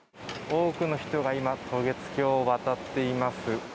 多くの人が今、渡月橋を渡っています。